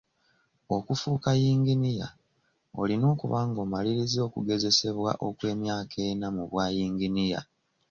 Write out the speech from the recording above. Okufuuka yinginiya, olina okuba ng'omaliriza okugezesebwa okw'emyaka ena mu bwa yinginiya.